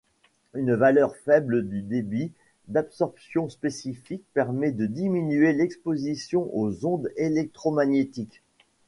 Une valeur faible du débit d'absorption spécifique permet de diminuer l’exposition aux ondes électromagnétiques.